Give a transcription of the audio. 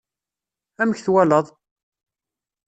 Amek twalaḍ?